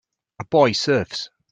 A boy surfs.